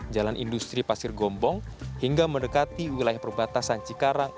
jalan industri pasir gombong hingga mendekati wilayah perbatasan cikarang